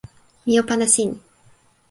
mi o pana sin!